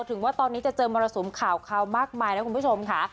ถึงว่าตอนนี้จะเจอมรสุมข่าวมากมายนะคุณผู้ชมค่ะ